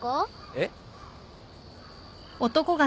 えっ。